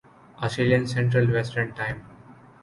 Australian central western time